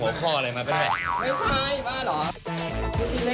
เมื่อที่เล่นกันเนี่ยนอกมันอ่ะ